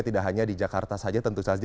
tidak hanya di jakarta saja tentu saja